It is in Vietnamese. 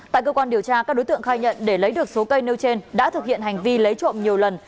tại cơ quan điều tra các đối tượng khai nhận để lấy được số cây nêu trên đã thực hiện hành vi lấy trộm nhiều lần